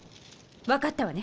分かったわね？